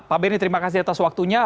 pak benny terima kasih atas waktunya